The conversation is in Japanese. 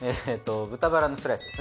豚バラのスライスですね。